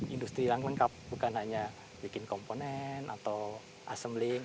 industri yang lengkap bukan hanya bikin komponen atau assembling